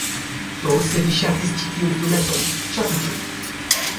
Do, se vi ŝatis ĉi tiun filmeton, ŝatu ĝin